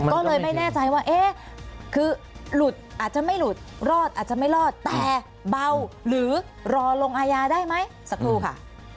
ก็เลยไม่แน่ใจว่าเอ๊ะคือหลุดอาจจะไม่หลุดรอดอาจจะไม่รอดแต่เบาหรือรอลงอาญาได้ไหมสักครู่ค่ะ